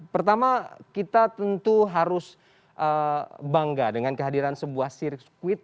pertama kita tentu harus bangga dengan kehadiran sebuah sirkuit